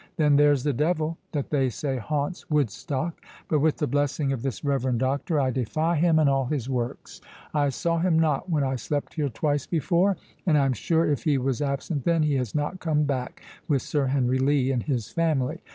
Then there's the Devil, that they say haunts Woodstock; but with the blessing of this reverend Doctor, I defy him and all his works—I saw him not when I slept here twice before, and I am sure if he was absent then, he has not come back with Sir Henry Lee and his family.